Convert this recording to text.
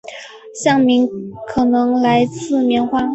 县名可能来自棉花。